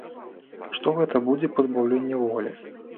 Што гэта будзе пазбаўленне волі.